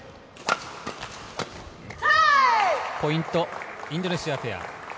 ポイント、インドネシアペア。